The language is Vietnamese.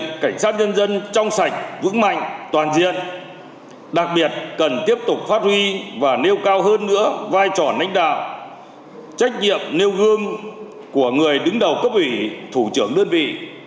đảng cảnh sát nhân dân trong sạch vững mạnh toàn diện đặc biệt cần tiếp tục phát huy và nêu cao hơn nữa vai trò nánh đạo trách nhiệm nêu gương của người đứng đầu cấp ủy thủ trưởng đơn vị